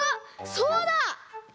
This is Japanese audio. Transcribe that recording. そうだ！